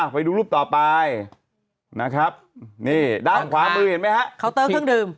ไปดูรูปต่อไปนะครับนี่ด้านขวามือเห็นไหมฮะเคาน์เตอร์เครื่องดื่ม